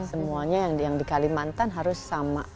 semuanya yang di kalimantan harus sama